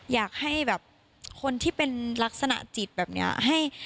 อยากให้แบบคนที่เป็นลักษณะจิตแบบนี้